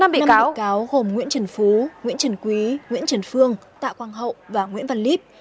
năm bị cáo gồm nguyễn trần phú nguyễn trần quý nguyễn trần phương tạ quang hậu và nguyễn văn líp